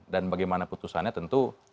dan bagaimana putusannya tentu saja